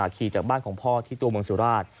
ขี่จากบ้านของพ่อที่ตัวเมืองสุราช